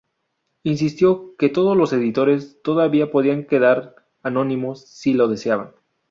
Insistió que todos los editores todavía podrían quedar anónimos si lo deseaban.